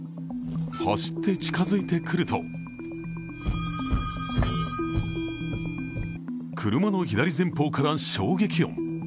走って近づいてくると車の左前方から衝撃音。